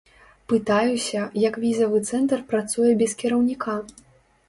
Пытаюся, як візавы цэнтр працуе без кіраўніка.